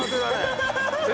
ハハハハ！